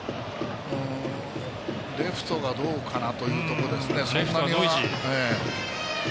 レフトがどうかなというとこです。